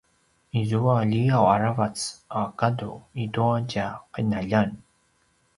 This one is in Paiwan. izua liyaw a ravac a gadu i tua tja qinaljan